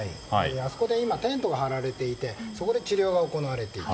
あそこで今テントが張られていてそこで治療が行われている。